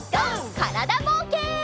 からだぼうけん。